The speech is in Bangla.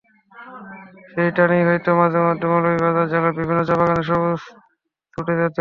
সেই টানেই হয়তো মাঝেমধ্যে মৌলভীবাজার জেলার বিভিন্ন চা-বাগানের সবুজে ছুটে যেতেন।